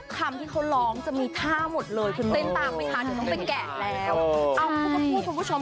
กับเพลงที่มีชื่อว่ากี่รอบก็ได้